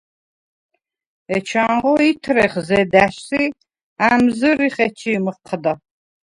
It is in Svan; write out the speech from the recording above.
ეჩანღო ითრეხ ზედა̈შს ი ა̈მზჷრიხ ეჩი̄ მჷჴდა.